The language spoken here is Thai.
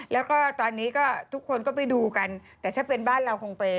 แล้วก็ตอนนี้ก็ทุกคนก็ไปดูกันแต่ถ้าเป็นบ้านเราคงเปย์